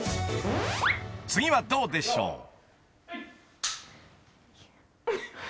［次はどうでしょう］